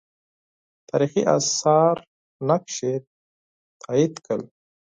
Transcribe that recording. تاریخي آثار نقش یې تایید کړ.